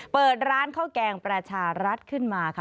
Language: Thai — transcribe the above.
เปิดร้านข้าวแกงประชารัฐขึ้นมาค่ะ